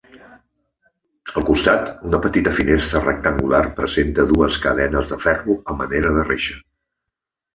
Al costat, una petita finestra rectangular presenta dues cadenes de ferro a manera de reixa.